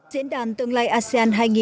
diễn đàn tương lai asean hai nghìn hai mươi